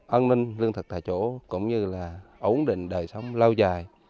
an ninh lương thực tại chỗ cũng như là ổn định đời sống lâu dài